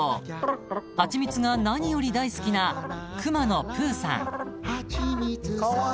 ［蜂蜜が何より大好きなくまのプーさん］